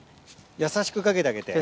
優しくかけてあげて。